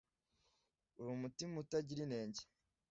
uri mutima utagira inenge